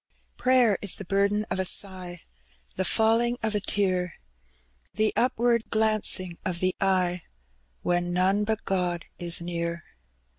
Prayer is the burden of a sigh, The falling of a tear, The upward glancing of the eye When none but God is near.